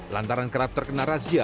lantaran kerap terkena razia